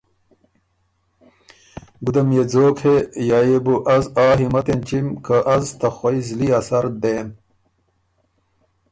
ګُده ميې ځوک هې یا يې بو از آ همت اېنچِم که از ته خوئ زلی ا سر دېم؟